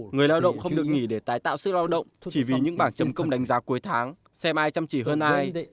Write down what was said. người lao động không được nghỉ để tái tạo sức lao động chỉ vì những bảng chấm công đánh giá cuối tháng xe ai chăm chỉ hơn ai